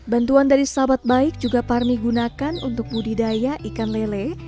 bantuan dari sahabat baik juga parmi gunakan untuk budidaya ikan lele